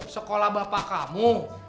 sekolah bapak kamu